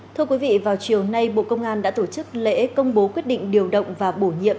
thưa quý vị vào chiều nay bộ công an đã tổ chức lễ công bố quyết định điều động và bổ nhiệm